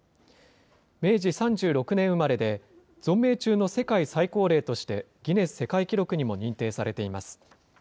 明治３６年生まれで、存命中の世界最高齢として、ギネス世界記録にも認定されています。